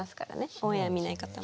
オンエア見ない方も。